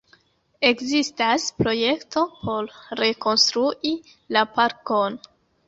Ekzistas projekto por rekonstrui la parkon.